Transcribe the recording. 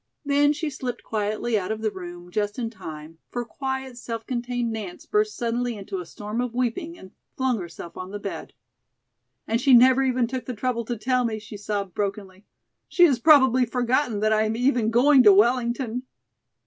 Then she slipped quietly out of the room, just in time, for quiet, self contained Nance burst suddenly into a storm of weeping and flung herself on the bed. "And she never even took the trouble to tell me," she sobbed brokenly. "She has probably forgotten that I am even going to Wellington."